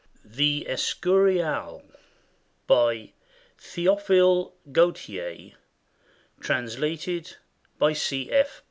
" THE ESCURIAL BY THEOPHILE GAUTIER, TRANSLATED BY C. F.